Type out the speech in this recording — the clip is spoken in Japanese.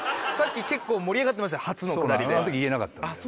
あの時言えなかったんだよ。